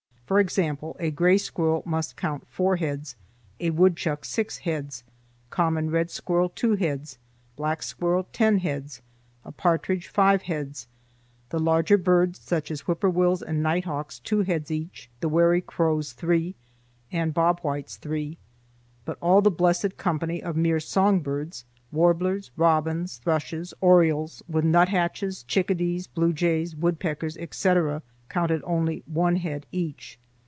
For example, a gray squirrel must count four heads, a woodchuck six heads, common red squirrel two heads, black squirrel ten heads, a partridge five heads, the larger birds, such as whip poor wills and nighthawks two heads each, the wary crows three, and bob whites three. But all the blessed company of mere songbirds, warblers, robins, thrushes, orioles, with nuthatches, chickadees, blue jays, woodpeckers, etc., counted only one head each.